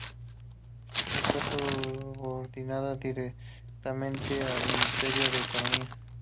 Está subordinada directamente al Ministerio de Economía.